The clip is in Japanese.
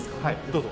どうぞ。